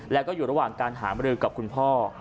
แล้วก็อยู่ระหว่างการหามรือกับคุณพ่อ